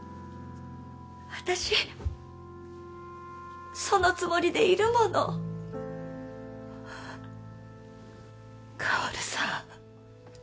私そのつもりでいるもの香さん